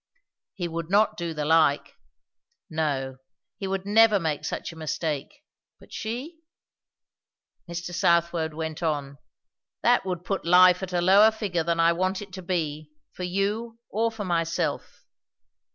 He would not do the like. No, he would never make such a mistake; but she? Mr. Southwode went on, "That would put life at a lower figure than I want it to be, for you or for myself.